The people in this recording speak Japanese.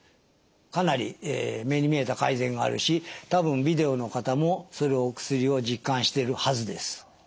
かなり目に見えた改善があるし多分ビデオの方もそれをお薬を実感してるはずです。